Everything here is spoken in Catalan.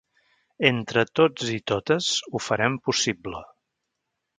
Entre tots i totes ho farem possible!